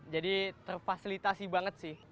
jadi terfasilitasi banget sih